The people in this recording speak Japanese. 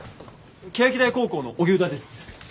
欅台高校の荻生田です。